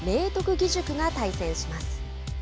義塾が対戦します。